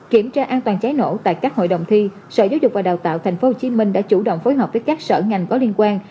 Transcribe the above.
kiểm tra an toàn cháy nổ tại các hội đồng thi sở giáo dục và đào tạo tp hcm đã chủ động phối hợp với các sở ngành có liên quan